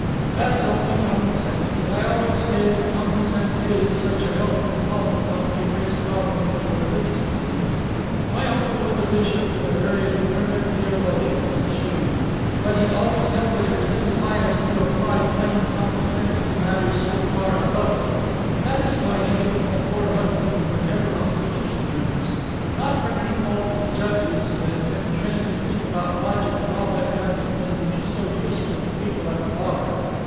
That's only common sense, and I always say that common sense is such a help when called upon to face problems of a religious kind. "My uncle was a bishop and a very learned theologian, I assure you; but he always held that it was impious to apply plain common sense to matters so far above us, and that is why he and my poor husband were never on speaking terms; not from any fault of the Judge's, who had been trained to think about logic and all that kind of thing which is so useful to people at the Bar.